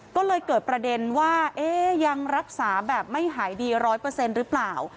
ก็เลยเกิดประเด็นว่ายังรักษาแบบไม่หายดี๑๐๐หรือเปล่า